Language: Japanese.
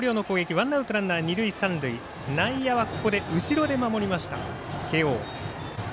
ワンアウト、ランナー、二塁三塁内野はここで後ろで守りました、慶応。